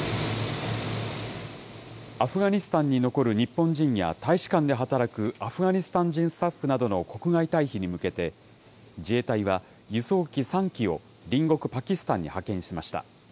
アフガニスタンに残る日本人や大使館で働くアフガニスタン人スタッフなどの国外退避に向けて、自衛隊は、輸送機３機を隣国パキスタンに派遣しました。